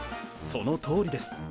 そのとおりです。